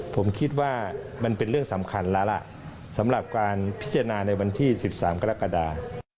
ผมคิดว่ามันเป็นเรื่องสำคัญแล้วล่ะสำหรับการพิจารณาในวันที่๑๓กรกฎา